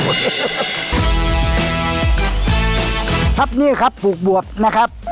ครับนี่ครับปลูกบวบนะครับ